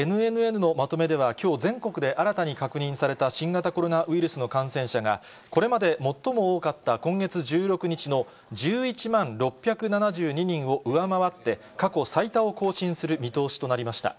ＮＮＮのまとめでは、きょう、全国で新たに確認された新型コロナウイルスの感染者が、これまで最も多かった今月１６日の１１万６７２人を上回って過去最多を更新する見通しとなりました。